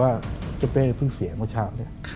ว่าเจ้าเป้เพิ่งเสียมาเช้า